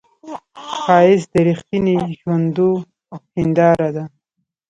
ښایست د رښتینې ژوندو هنداره ده